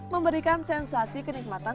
memberikan sensasi kenikmatan